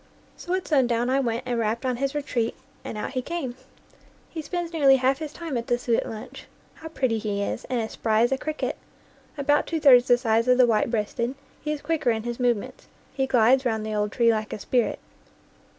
So at sundown I went and rapped on his retreat, and 41 NEW GLEANINGS IN OLD FIELDS out he came. He spends nearly half his time at the suet lunch. How pretty he is! and as spry as a cricket; about two thirds the size of the white breasted, he is quicker in his movements. He glides round the old tree like a spirit.